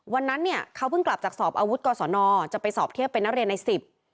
วันนั้นเนี่ยเขาเพิ่งกลับจากสอบอาวุธกรสนจะไปสอบเทียบเป็นนักเรียนในสิบ